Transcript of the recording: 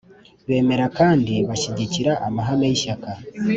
Bemera kandi bashyigikiye amahame y ishyaka